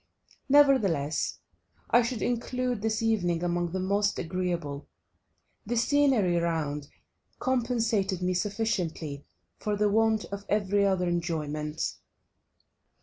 Nevertheless I should include this evening among the most agreeable; the scenery round compensated me sufficiently for the want of every other enjoyment.